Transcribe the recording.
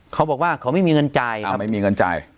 เขาบอกว่าเขาไม่มีเงินจ่ายไม่มีเงินจ่าย